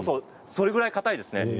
それくらい、かたいです。